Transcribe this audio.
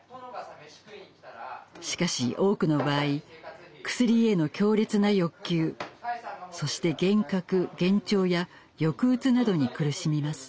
しかし多くの場合クスリへの強烈な欲求そして幻覚幻聴や抑うつなどに苦しみます。